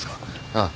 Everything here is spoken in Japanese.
ああ。